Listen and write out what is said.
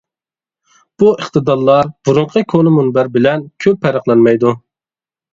بۇ ئىقتىدارلار بۇرۇنقى كونا مۇنبەر بىلەن كۆپ پەرقلەنمەيدۇ.